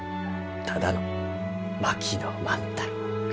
ただの槙野万太郎か。